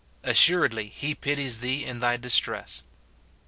Assuredly he pities thee in thy distress.